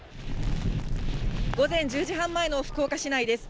午前１０時半前の福岡市内です。